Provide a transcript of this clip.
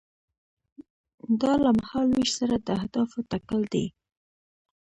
دا له مهال ویش سره د اهدافو ټاکل دي.